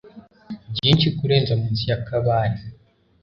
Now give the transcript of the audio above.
byinshi kurenza munsi ya kabare